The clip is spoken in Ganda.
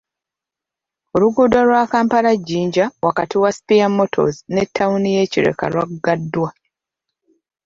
Oluguudo lwa Kampala-Jinja wakati wa Spear Motors ne ttawuni y'e Kireka lwagadwa.